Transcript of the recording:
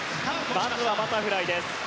まずはバタフライです。